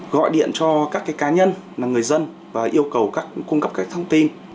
gọi điện cho các cá nhân người dân và yêu cầu cung cấp các thông tin